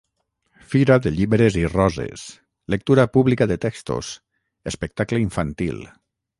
Fira de llibres i roses, lectura pública de textos, espectacle infantil.